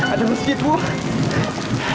ada meski di buah